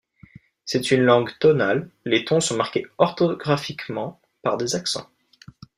C'est une langue tonale, les tons sont marqués orthographiquement par des accents.